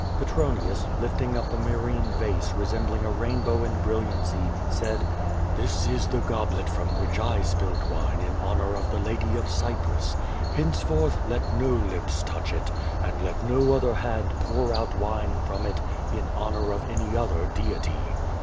Petronius, lifting up a Myrrhene vase resembling a rainbow in brilliancy, said: "This is the gob let from which I spilt wine in honor of the lady of Cyprus. Henceforth, let no lips touch it, and let no other hand pour out wine from it in honor of any other deity."